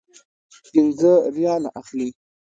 پنځه ریاله اخلي.